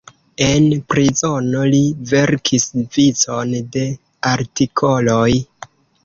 En prizono li verkis vicon de artikoloj.